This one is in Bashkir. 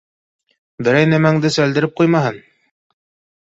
Берәй нәмәңде сәлдереп ҡуймаһын!